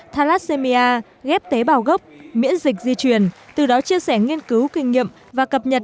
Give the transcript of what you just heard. thalassemia ghép tế bào gốc miễn dịch di chuyển từ đó chia sẻ nghiên cứu kinh nghiệm và cập nhật